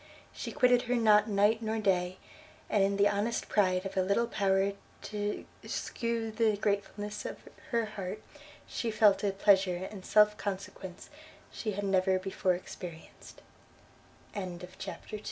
She quitted her not night nor day, and in the honest pride of a little power to skew the gratefulness of her heart, she felt a pleasure and self consequence she had never before experienced. CHAPTER iii. A SUMMONS.